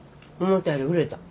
思ったより売れた。